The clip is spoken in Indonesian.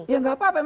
ya tidak apa apa